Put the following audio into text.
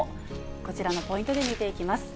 こちらのポイントで見ていきます。